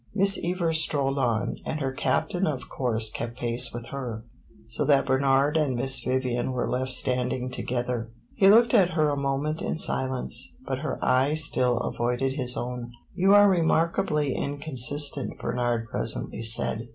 Miss Evers strolled on, and her Captain of course kept pace with her; so that Bernard and Miss Vivian were left standing together. He looked at her a moment in silence, but her eye still avoided his own. "You are remarkably inconsistent," Bernard presently said.